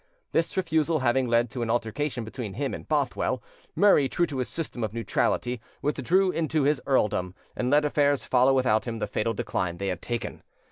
This refusal having led to an altercation between him and Bothwell, Murray, true to his system of neutrality, withdrew into his earldom, and let affairs follow without him the fatal decline they had taken.